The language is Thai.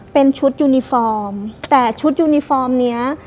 เป็นชุดยูนิฟอร์มแต่ชุดยูนิฟอร์มเนี้ย